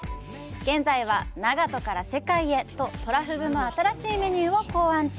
現在は「長門から世界へ」とトラフグの新しいメニューを考案中。